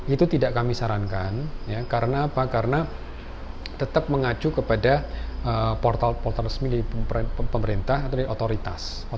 itu tidak kami sarankan karena tetap mengacu kepada portal resmi pemerintah atau dari otoritas